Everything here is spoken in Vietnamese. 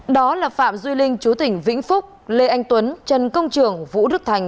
đó là phạm duy linh chú tỉnh vĩnh phúc lê anh tuấn trần công trường vũ đức thành